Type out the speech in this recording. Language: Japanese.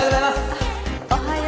あっおはよう。